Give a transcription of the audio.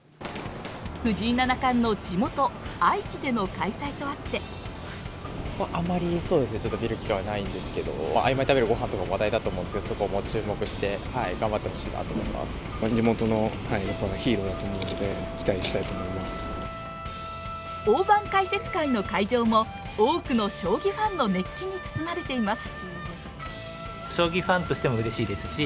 藤井七冠の地元・愛知での開催とあって大盤解説会の会場も多くの将棋ファンの熱気に包まれています。